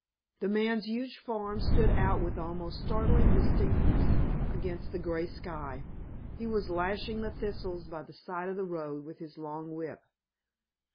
The man's huge form stood out with almost startling distinctness against the grey sky. He was lashing the thistles by the side of the road with his long whip.